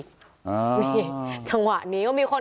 คือตอนนั้นหมากกว่าอะไรอย่างเงี้ย